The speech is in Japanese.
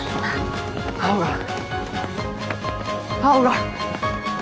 青が青が。